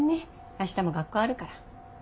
明日も学校あるから。